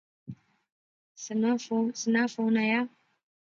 سناں فون آیا